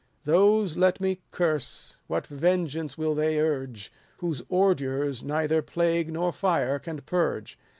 Those let me curse ; what vengeance will they urge, Whose ordures neither plague nor fire can purge